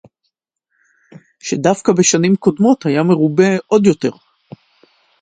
שדווקא בשנים קודמות היה מרובה עוד יותר